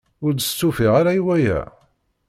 Ur d-stufiɣ ara i waya.